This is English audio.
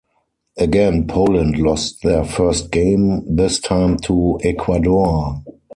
Again, Poland lost their first game, this time to Ecuador.